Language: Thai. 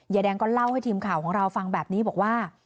แดงก็เล่าให้ทีมข่าวของเราฟังแบบนี้บอกว่า